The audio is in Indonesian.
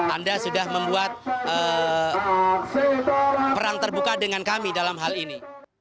anda sudah membuat perang terbuka dengan kami dalam hal ini